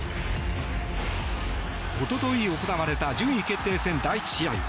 一昨日行われた順位決定戦、第１試合。